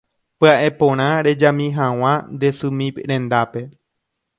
Pya'e porã rejami hag̃ua nde symi rendápe